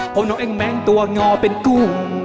เพราะน้องเองแม้งตัวงอเป็นกุ้ง